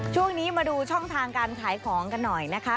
ช่วงนี้มาดูช่องทางการขายของกันหน่อยนะคะ